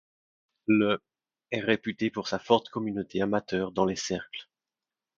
Le ' est réputé pour sa forte communauté amateur dans les cercles '.